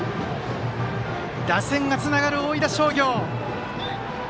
打線がつながる大分商業。